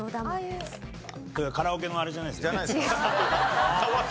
カラオケのあれじゃないですよね？